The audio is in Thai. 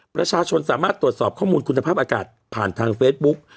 ประชาชนสามารถตรวจสอบข้อมูลคุณภาพอากาศผ่านทางเฟซบุ๊ก